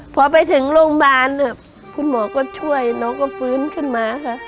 พอไปถึงโรงพยาบาลคุณหมอก็ช่วยน้องก็ฟื้นขึ้นมาค่ะ